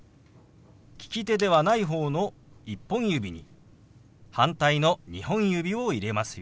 利き手ではない方の１本指に反対の２本指を入れますよ。